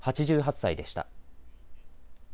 ８８歳でした。